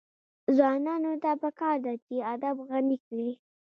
ځوانانو ته پکار ده چې، ادب غني کړي.